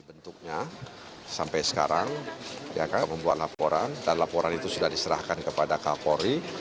dibentuknya sampai sekarang dia akan membuat laporan dan laporan itu sudah diserahkan kepada kapolri